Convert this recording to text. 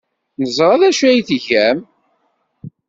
Neẓra d acu ay tgam.